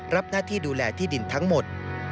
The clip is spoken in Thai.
รับหน้าที่ดูแลที่ดินทั้งหมด